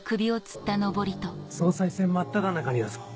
総裁選真っただ中にだぞ？